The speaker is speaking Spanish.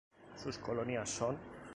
Sus colonias son